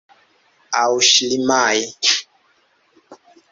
Aŭ ŝlimaj.